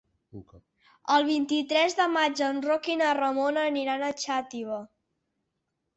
El vint-i-tres de maig en Roc i na Ramona aniran a Xàtiva.